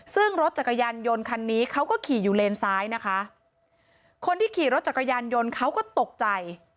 ซึ่งรถจักรยานยนต์คันนี้เขาก็ขี่อยู่เลนซ้ายนะคะคนที่ขี่รถจักรยานยนต์เขาก็ตกใจ